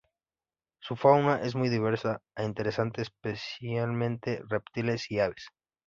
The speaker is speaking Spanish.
Su fauna es muy diversa e interesante, especialmente reptiles y aves.